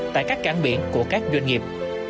tại các cảng biển của các doanh nghiệp